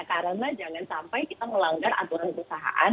karena jangan sampai kita melanggar aturan perusahaan